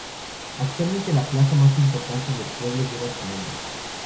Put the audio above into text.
Actualmente la plaza más importante del pueblo lleva su nombre.